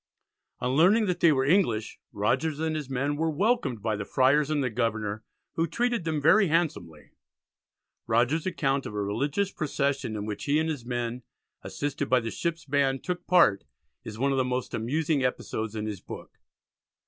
On learning that they were English, Rogers and his men were welcomed by the Friars and the Governor, who treated them "very handsomely." Rogers's account of a religious procession in which he and his men, assisted by the ships' band, took part, is one of the most amusing episodes in his book.